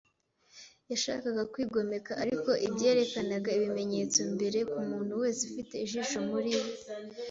yashakaga kwigomeka ariko ibyerekanaga ibimenyetso mbere, kumuntu wese ufite ijisho muri we